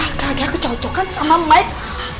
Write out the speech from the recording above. gak ada kecocokan sama mike